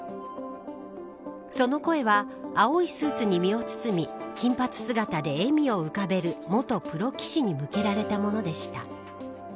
その声は青いスーツに身を包み金髪姿で笑みを浮かべる元プロ棋士に向けられたものでした。